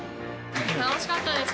楽しかったです